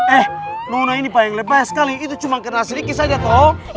eh nona ini paling lebay sekali itu cuma kena serikis aja toh